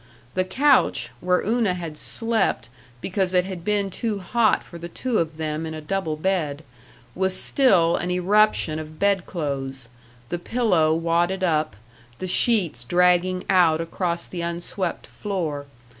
The couch, where Una had slept because it had been too hot for the two of them in a double bed, was still an eruption of bedclothes the pillow wadded up, the sheets dragging out across the unswept floor....